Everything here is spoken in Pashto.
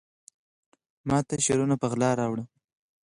ماته شعرونه په غلا راوړي